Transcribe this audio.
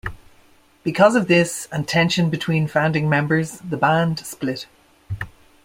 Because of this and tension between founding members, the band split.